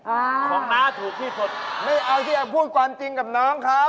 ของน้าถูกที่สุดไม่เอาที่จะพูดความจริงกับน้องเขา